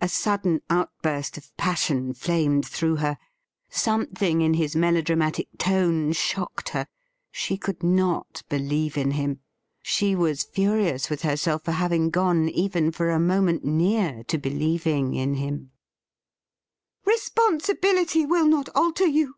A sudden outburst of passion flamed through her. Some thin »■ in his melodramatic tone shocked her. She could not believe in him. She was fin:ious with herself for having gone even for a moment near to believing in him. 'HAST THOU FOUND ME OUT?' 225 ' Responsibility will not alter you